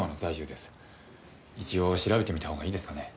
一応調べてみた方がいいですかね？